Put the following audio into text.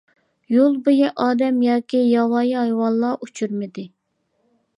يول بويى ئادەم ياكى ياۋايى ھايۋانلار ئۇچرىمىدى.